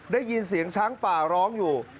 ได้ยินเสียงช้างป่าร้องอยู่